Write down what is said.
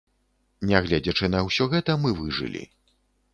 Нягледзячы на ўсё гэта, мы выжылі.